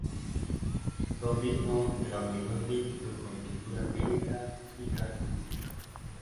Combinó el hormigón líquido con pintura acrílica y carboncillo.